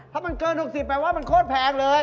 ถ้ามันเกิน๖๐แปลว่ามันโคตรแพงเลย